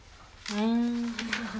うん。